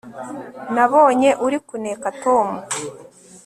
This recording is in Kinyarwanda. Nabonye uri kuneka Tom